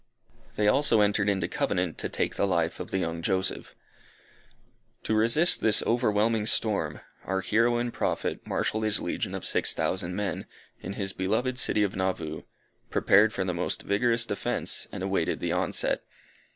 They also entered into covenant, to take the life of the young Joseph. To resist this overwhelming storm, our hero and Prophet marshalled his legion of six thousand men, in his beloved city of Nauvoo, prepared for the most vigorous defence, and awaited the onset.